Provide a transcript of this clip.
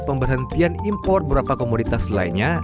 pemberhentian impor beberapa komoditas lainnya